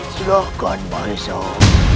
silahkan pak esau